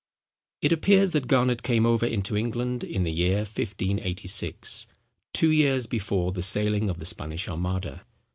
It appears that Garnet came over into England in the year 1586, two years before the sailing of the Spanish Armada.